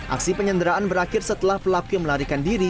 aksi penyandraan berakhir setelah pelaku yang melarikan diri